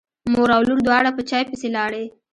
مور او لور دواړه په چای پسې لاړې.